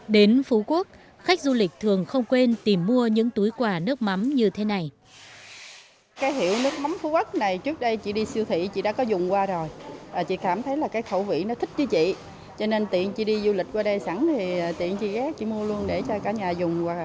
đến phú quốc khách du lịch thường không quên tìm mua những túi quà nước mắm như thế này